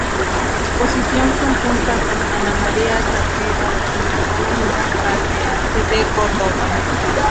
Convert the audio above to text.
Exposición conjunta con Ana María Sagrera en la Sala Municipal de Arte de Córdoba.